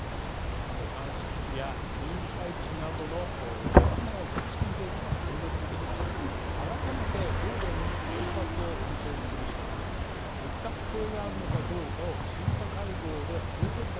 監視機器や人員配置などの技術面を厳しく見ていくのは当然ですけども改めて東電に原発を運転する資格適格性があるのかどうかを審査会合で問うべきだと思います。